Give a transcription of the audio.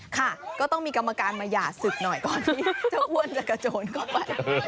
ค่ะก็ต้องมีกรรมการมาหย่าศึกหน่อยก่อนที่เจ้าอ้วนจะกระโจนเข้าไป